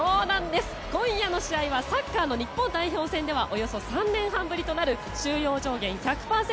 今夜の試合はサッカーの日本代表戦ではおよそ３年半ぶりとなる収容上限１００％